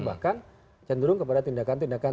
bahkan cenderung kepada tindakan tindakan